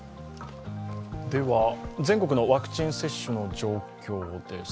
全国のワクチン接種の状況です。